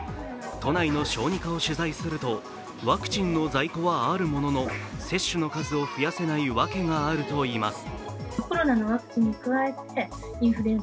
都内の小児科を取材するとワクチンの在庫はあるものの接種の数を増やせない訳があるといいます。